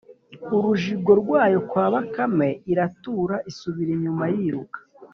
Urujigo rwayo kwa Bakame, iratura isubira inyuma yiruka.